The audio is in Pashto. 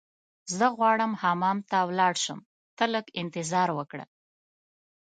زه غواړم حمام ته ولاړ شم، ته لږ انتظار وکړه.